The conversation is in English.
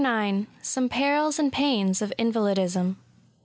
176 SOME PERILS AKD PAINS OF INVALIDISM.